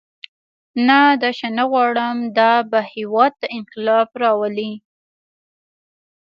نه دا شی نه غواړم دا به هېواد ته انقلاب راولي.